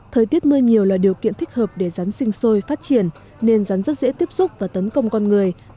thời tiết mưa nhiều là điều kiện thích hợp để rắn sinh sôi phát triển nên rắn rất dễ tiếp xúc và tấn công con người